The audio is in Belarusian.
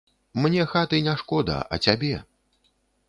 Мне хаты не шкода, а цябе.